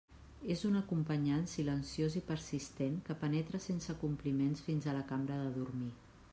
És un acompanyant silenciós i persistent que penetra sense compliments fins a la cambra de dormir.